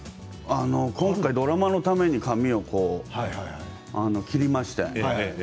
今回ドラマのために髪を切りました。